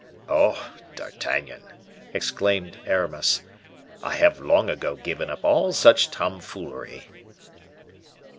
"Oh! D'Artagnan," exclaimed Aramis, "I have long ago given up all such tomfoolery."